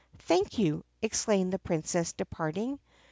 "Thank you!" exclaimed the Princess departing.